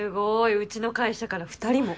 うちの会社から２人も！